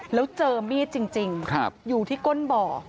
แล้วเจอมีดจริงอยู่ที่ก้นบ่อ